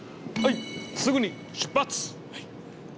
いすぐに出発！